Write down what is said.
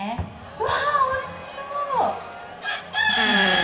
うわおいしそう私のどっち？